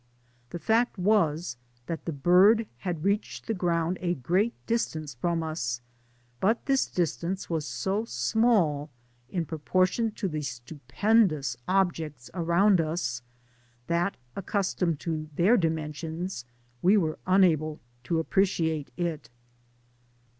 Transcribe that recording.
The fact was, that the bird had reached the ground a great distance from us ; but this distance was so small in proportion to the stupendous ob jects around us, that, accustomed to their dimen sions, we were tmable to appreciate it.